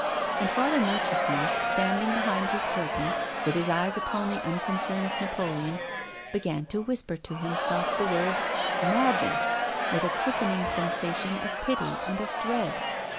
And Father Murchison, standing behind his curtain, with his eyes upon the unconcerned Napoleon, began to whisper to himself the word — mad 312 TONGUES OF CONSCIENCE. ness, with a quickening sensation of pity and of dread.